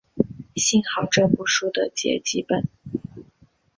幸好这部书的结集本。